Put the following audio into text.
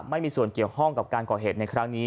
ไม่มีส่วนเกี่ยวข้องกับการก่อเหตุในครั้งนี้